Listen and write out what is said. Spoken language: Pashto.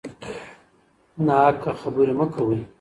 ناحق خبرې مه کوئ.